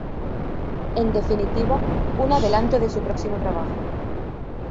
En definitiva, un adelanto de su próximo trabajo.